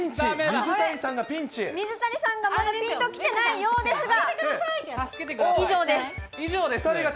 水谷さんがまだピンときてないようですが。